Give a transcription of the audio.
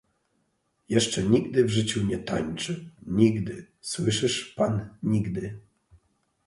"Jeszcze nigdy w życiu nie tańczył... nigdy... słyszysz pan... nigdy!"